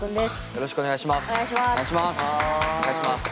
よろしくお願いします。